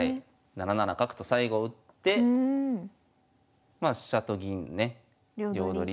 ７七角と最後打ってまあ飛車と銀のね両取り。